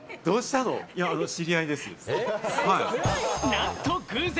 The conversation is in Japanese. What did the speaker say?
なんと偶然！